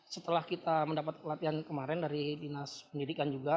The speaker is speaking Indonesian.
setelah kita mendapat pelatihan kemarin dari dinas pendidikan juga